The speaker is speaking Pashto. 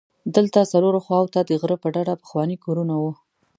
دلته څلورو خواوو ته د غره په ډډه پخواني کورونه وو.